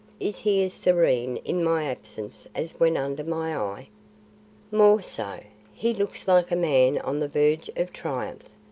Is he as serene in my absence as when under my eye?" "More so; he looks like a man on the verge of triumph.